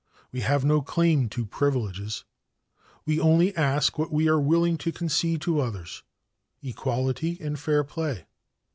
We have no claim to privileges. We only ask what we are willing to concede to others equality and fair play.